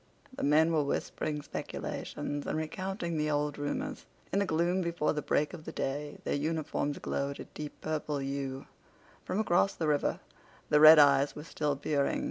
The men were whispering speculations and recounting the old rumors. In the gloom before the break of the day their uniforms glowed a deep purple hue. From across the river the red eyes were still peering.